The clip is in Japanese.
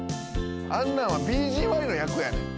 あんなんはＢＧＹの役。